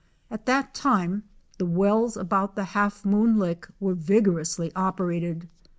At that time the wells about the "Half Moon Lick" were vig orously operated.